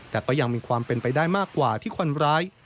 แต่ก็ยังมีความเป็นไปได้มากกว่าที่คนร้าย